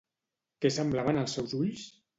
Què semblaven els seus ulls?